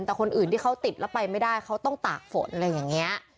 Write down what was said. แต่คนอื่นที่เขาติดแล้วไปไม่ได้เขาต้องตากฝนอะไรอย่างนี้